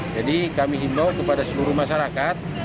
jadi kami hindau kepada seluruh masyarakat